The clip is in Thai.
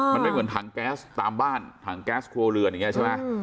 ไม่เหมือนทางแก๊สตามบ้านทางแก๊สควระเรือน